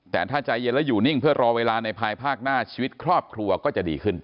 แต่ถ้าใจเย็นแล้วอยู่นิ่งเพื่อรอเวลาในภายภาคหน้าชีวิตครอบครัวก็จะดีขึ้น